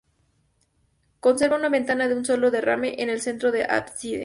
Conserva una ventana de un sólo derrame en el centro del ábside.